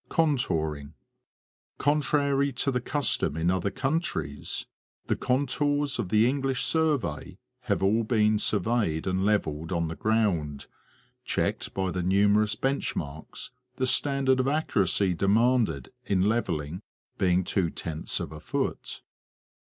CONTOURING, Contrary to the custom in other countries, the contours of the English survey have all been surveyed and levelled on the ground, checked by the numerous bench marks, the standard of accu racy demanded in levelling being two tenths of a foot.